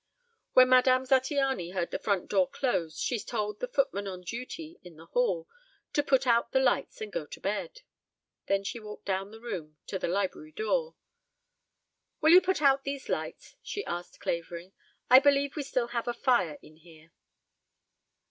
When Madame Zattiany heard the front door close she told the footman on duty in the hall to put out the lights and go to bed. Then she walked down the room to the library door. "Will you put out these lights?" she asked Clavering. "I believe we still have a fire in here."